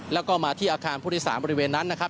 แล้วก็มาที่อาคารผู้โดยสารบริเวณนั้นนะครับ